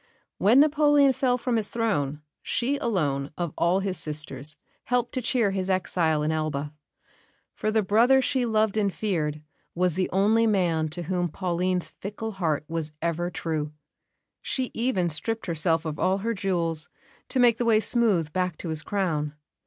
When Napoleon fell from his throne, she alone of all his sisters helped to cheer his exile in Elba; for the brother she loved and feared was the only man to whom Pauline's fickle heart was ever true. She even stripped herself of all her jewels to make the way smooth back to his crown.